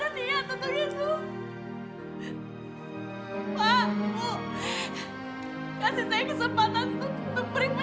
ibu tidak bermaksud membohongi pelangi